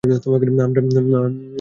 আমরা সবাই মরে যেতাম।